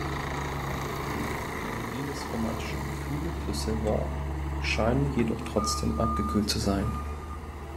Paulines romantische Gefühle für Sylvain scheinen jedoch trotzdem abgekühlt zu sein.